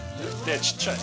ちっちゃい。